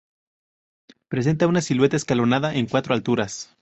Presenta una silueta escalonada en cuatro alturas.